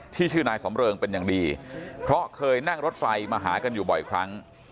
ชื่อนายสำเริงเป็นอย่างดีเพราะเคยนั่งรถไฟมาหากันอยู่บ่อยครั้ง